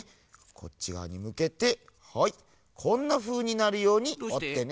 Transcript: こっちがわにむけてはいこんなふうになるようにおってね。